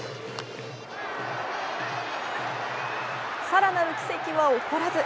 更なる奇跡は起こらず。